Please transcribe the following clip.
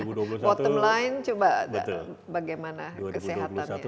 bottom line coba bagaimana kesehatannya